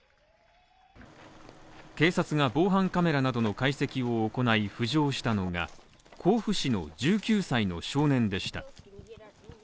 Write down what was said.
警察が防犯カメラなどの解析を行い浮上したのが、甲府市の１９歳の少年でした。